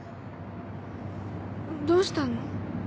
どうしたの？